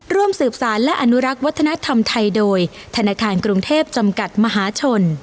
ร่วมสืบสารและอนุรักษ์วัฒนธรรมไทยโดยธนาคารกรุงเทพจำกัดมหาชน